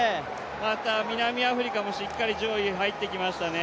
南アフリカもしっかり上位に入ってきましたね。